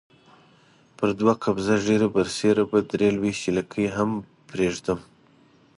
پر دوه قبضه ږیره برسېره به درې لويشتې لکۍ هم پرېږدم.